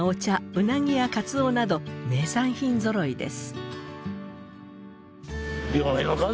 うなぎやカツオなど名産品ぞろいです。